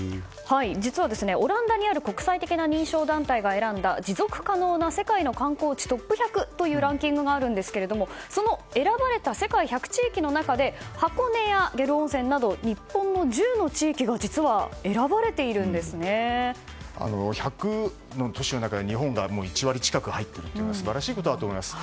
実は、オランダにある国際的な認証団体が選んだ持続可能な世界の観光地トップ１００というランキングがあるんですけれどもその選ばれた世界１００地域の中で箱根や下呂温泉など日本の１０の地域が１００の都市の中で日本が１割近く入っているのは素晴らしいことだと思います。